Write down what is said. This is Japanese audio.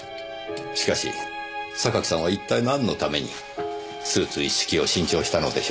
しかし榊さんは一体何のためにスーツ一式を新調したのでしょうねえ。